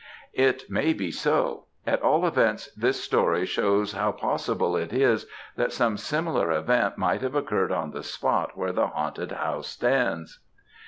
"It may be so; at all events, this story shews how possible it is that some similar event might have occurred on the spot where the haunted house stands."